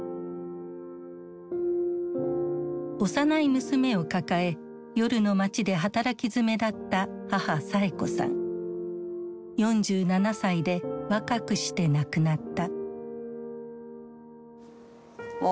幼い娘を抱え夜の街で働きづめだった４７歳で若くして亡くなった。